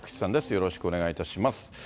よろしくお願いします。